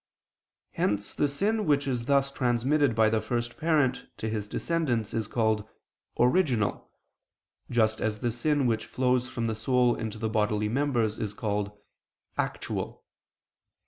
Hence the sin which is thus transmitted by the first parent to his descendants is called "original," just as the sin which flows from the soul into the bodily members is called "actual."